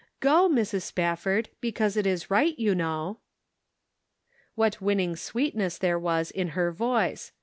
G o, Mrs. Spafford, because it is right, you know." What winning sweetness there was in her voice.